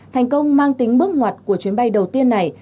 thành công mang tính bước ngoặt của chuyến bay đầu tiên này